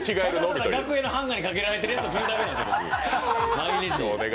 ただただ楽屋のハンガーにかけられているやつを着るだけですよ。